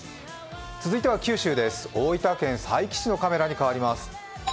続いては九州です、大分県佐伯市のカメラに変わります。